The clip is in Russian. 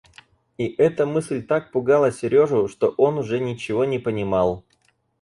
И эта мысль так пугала Сережу, что он уже ничего не понимал.